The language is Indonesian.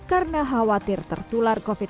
karena khawatir tertular covid sembilan belas